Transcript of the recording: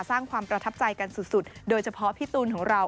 สร้างความประทับใจกันสุดโดยเฉพาะพี่ตูนของเรา